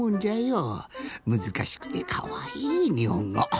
むずかしくてかわいいにほんご。